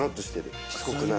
しつこくない？